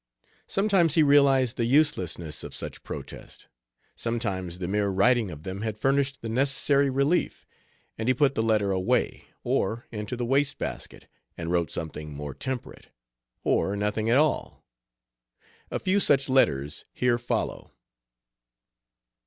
Sometimes he realized the uselessness of such protest, sometimes the mere writing of them had furnished the necessary relief, and he put, the letter away, or into the wastebasket, and wrote something more temperate, or nothing at all. A few such letters here follow.